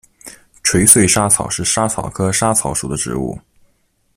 垂穗莎草是莎草科莎草属的植物。